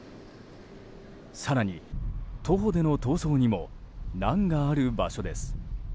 更に、徒歩での逃走にも難がある場所です。